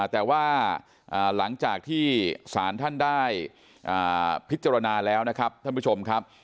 แต่ว่าหลังจากที่ศาลท่านได้พิจารณาแล้วนะครับท่านผู้ชมครับ